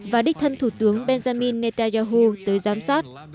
và đích thân thủ tướng benjamin netanyahu tới giám sát